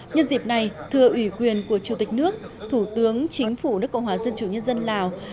nhân dịp này thưa ủy quyền của chủ tịch nước thủ tướng chính phủ nước cộng hòa dân chủ nhân dân lào